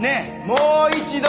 もう一度！